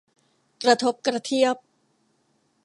กระทบกระเทียบ